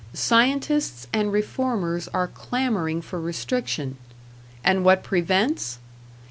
Scientists and reformers are clamoring for restriction; and what prevents?